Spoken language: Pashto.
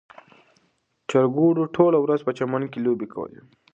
چرګوړو ټوله ورځ په چمن کې لوبې کولې.